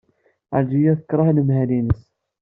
Ɛelǧiya tekṛeh anemhal-nnes.